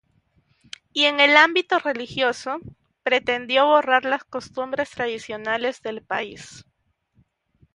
Y en el ámbito religioso, pretendió borrar las costumbres tradicionales del país.